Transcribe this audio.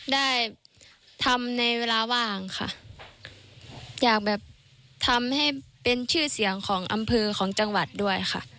ได้ทำในเวลาว่างค่ะอยากแบบทำให้เป็นชื่อเสียงของอำเภอของจังหวัดด้วยค่ะ